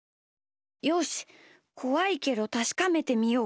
よしこわいけどたしかめてみよう。